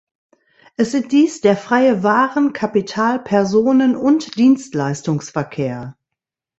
Es sind dies der freie Waren-, Kapital-, Personen- und Dienstleistungsverkehr.